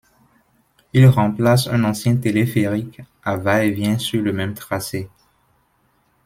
Il remplace un ancien téléphérique à va-et-vient sur le même tracé.